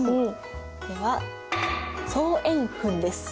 では双円墳です。